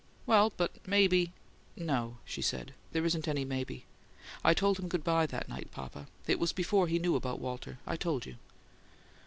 "Well, but maybe " "No," she said. "There isn't any 'maybe.' I told him good bye that night, papa. It was before he knew about Walter I told you."